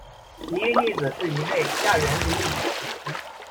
奇异粒子是一类亚原子粒子的统称。